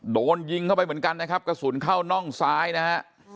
โดนยิงเข้าไปเหมือนกันนะครับกระสุนเข้าน่องซ้ายนะฮะ